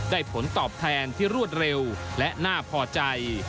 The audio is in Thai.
ผลตอบแทนที่รวดเร็วและน่าพอใจ